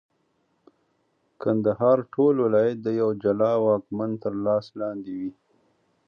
کندهار ټول ولایت د یوه جلا واکمن تر لاس لاندي وي.